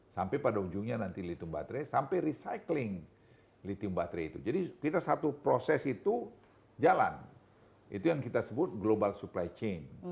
sampai pada ujungnya nanti lithium baterai sampai recycling lithium baterai itu jadi kita satu proses itu jalan itu yang kita sebut global supply chain